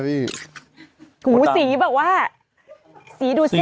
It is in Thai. พี่หนุ่ม๒๐๐๐ที